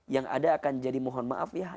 yang ada akan jadi mohon maaf ya